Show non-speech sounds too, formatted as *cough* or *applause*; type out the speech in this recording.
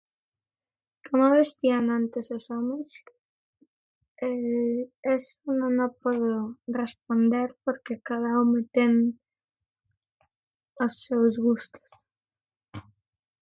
Como ves ti o? *unintelligible* *hesitation* Eso non o podo responder porque cada home ten os seus gustos.